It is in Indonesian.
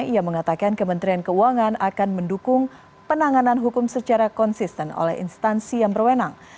ia mengatakan kementerian keuangan akan mendukung penanganan hukum secara konsisten oleh instansi yang berwenang